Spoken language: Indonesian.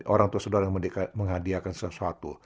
orang tua saudara yang menghadiahkan sesuatu